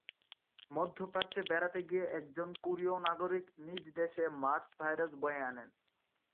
মধ্যপ্রাচ্যে বেড়াতে গিয়ে একজন কোরীয় নাগরিক নিজ দেশে মার্স ভাইরাস বয়ে আনেন।